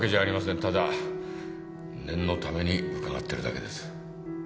ただ念のために伺ってるだけです。